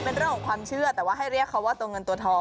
เออเคยใส่เสื้อบอลไง